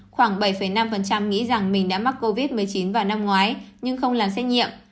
khoảng bảy năm nghĩ rằng mình đã mắc covid một mươi chín vào năm ngoái nhưng không làm xét nghiệm